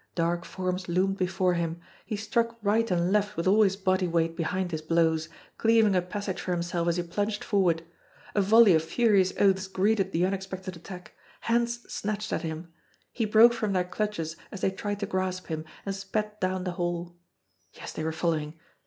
Dark forms loomed before him. He struck right and left with all his body weight behind his blows, cleaving a passage for himself as he plunged forward. A volley of furious oaths greeted the unexpected attack. Hands snatched at him. He broke from their clutches as they tried to grasp him, and sped down the hall. Yes, they were following!